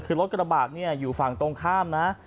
คือรถกระบากอยู่ฝั่งตรงข้ามนะ